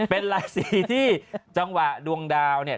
เป็นราศีที่จังหวะดวงดาวเนี่ย